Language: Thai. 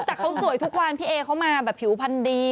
แต่เขาสวยทุกวันพี่เอเขามาแบบผิวพันธุ์ดี